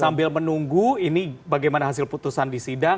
sambil menunggu ini bagaimana hasil putusan di sidang